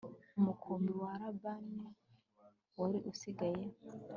umukumbi wa labani wari usigaye